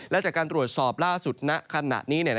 และจากการตรวจสอบล่าสุดณขณะนี้